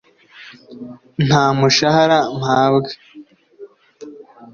Nta mushahara mpabwa!